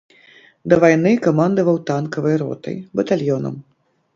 Да вайны камандаваў танкавай ротай, батальёнам.